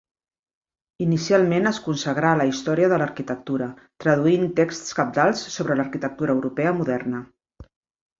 Inicialment es consagrà a la història de l’arquitectura, traduint texts cabdals sobre l’arquitectura europea moderna.